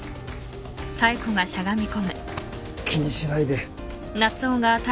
気にしないで。